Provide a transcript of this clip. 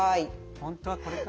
本当はこれか。